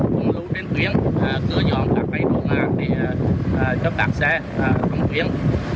cũng đủ tiền tuyến cửa nhỏ các máy đồ mạng để cho các xe phòng tuyến